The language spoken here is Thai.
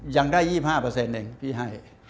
ยังได้๒๕เองพี่ให้